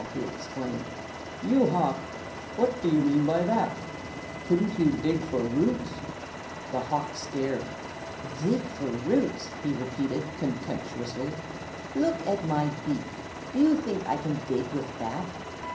he exclaimed, "you hawk, what do you mean by that? Couldn't you dig for roots?" The hawk stared. "Dig for roots?" he repeated, contemptuously. "Look at my beak! Do you think I can dig with that?"